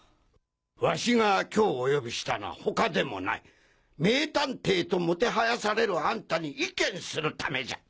ワシが今日お呼びしたのは他でもない名探偵ともてはやされるあんたに意見するためじゃ！